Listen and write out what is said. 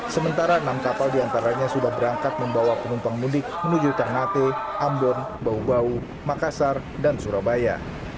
sementara enam kapal diantaranya sudah berangkat membawa penumpang mudik menuju ternate ambon bau bau makassar dan surabaya